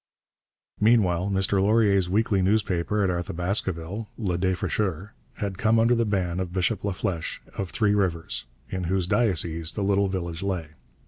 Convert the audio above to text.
Meanwhile Mr Laurier's weekly newspaper at Arthabaskaville, Le Défricheur, had come under the ban of Bishop Laflèche of Three Rivers, in whose diocese the little village lay.